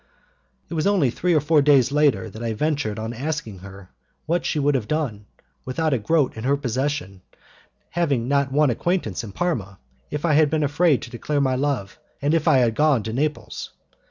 It was only three or four days later that I ventured on asking her what she would have done, without a groat in her possession, having not one acquaintance in Parma, if I had been afraid to declare my love, and if I had gone to Naples.